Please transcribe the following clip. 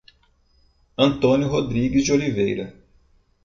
Antônio Rodrigues de Oliveira